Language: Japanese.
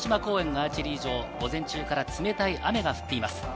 アーチェリー場、午前中から冷たい雨が降っています。